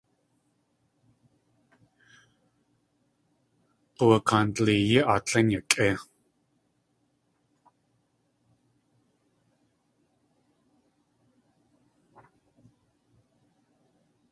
G̲uwakaan dleeyí aatlein yakʼéi.